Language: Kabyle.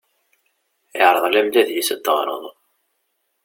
Irḍel-am-d adlis ad t-teɣreḍ.